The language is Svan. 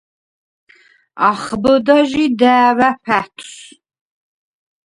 ახბჷდა ჟი და̄̈ვა̈ ფა̈თვს.